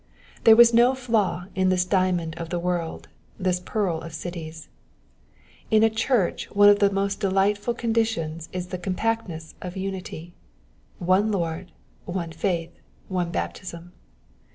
There was no flaw in this diamond of the world, this pearl of cities. In a church one of the most delightful con ditions is the compactness of unity :one Lord, one faith, one baptism.''